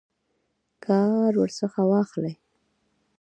کار ورڅخه واخلي.